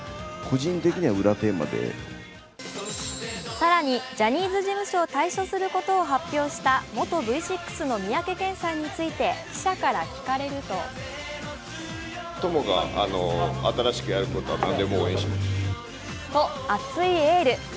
更に、ジャニーズ事務所を退所することを発表した元Ｖ６の三宅健さんについて記者から聞かれるとと熱いエール。